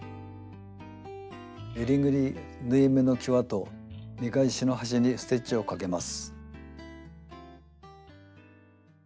えりぐり縫い目のきわと見返しの端にステッチをかけます。